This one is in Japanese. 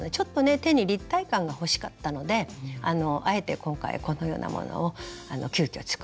手に立体感が欲しかったのであえて今回このようなものを急きょ作らせて頂きました。